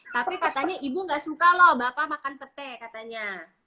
tapi katanya ibu gak suka loh bapak makan petai katanya